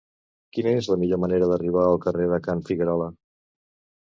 Quina és la millor manera d'arribar al carrer de Can Figuerola?